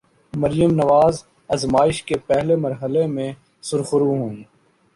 مریم نواز آزمائش کے پہلے مرحلے میں سرخرو ہوئیں۔